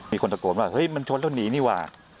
มีคนตะโกนว่าเฮ้ยมันชนแล้วหนีนี่ว่ะ